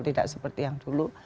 tidak seperti yang dulu